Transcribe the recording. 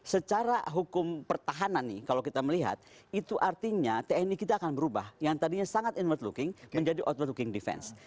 secara hukum pertahanan nih kalau kita melihat itu artinya tni kita akan berubah yang tadinya sangat inward looking menjadi outward looking defense